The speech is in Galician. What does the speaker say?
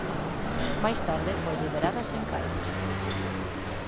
Máis tarde foi liberada sen cargos.